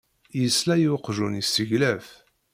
Yesla i uqjun yesseglaf.